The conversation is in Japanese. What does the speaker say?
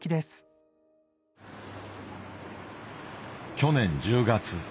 去年１０月。